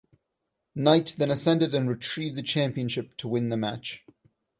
Knight then ascended and retrieved the championship to win the match.